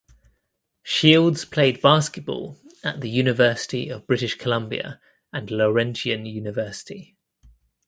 Shields played basketball at the University of British Columbia and Laurentian University.